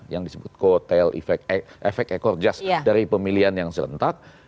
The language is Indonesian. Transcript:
yang disebut efek ekorjas dari pemilihan yang selentak